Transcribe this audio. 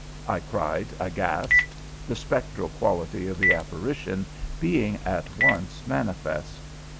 I cried, aghast, the spectral quality of the apparition being at once manifest.